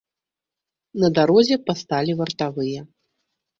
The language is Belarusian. На дарозе пасталі вартавыя.